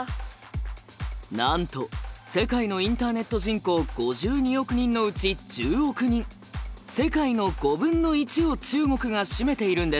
なんと世界のインターネット人口５２億人のうち１０億人世界の５分の１を中国が占めているんです。